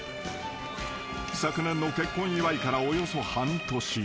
［昨年の結婚祝いからおよそ半年］